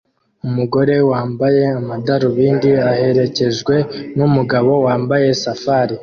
Umugore wambaye amadarubindi aherekejwe numugabo wambaye safari